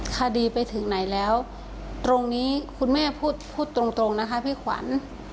คดีไปถึงไหนแล้วตรงนี้คุณแม่พูดตรงนะคะพี่ขวัญ